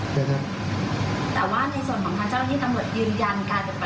แต่ว่าในส่วนของท่านเจ้านี่ตำรวจยืนยันการกระทำที่ว่าเป็นไงบ้าง